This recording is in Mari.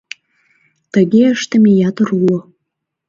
Тыге ыштыме ятыр уло.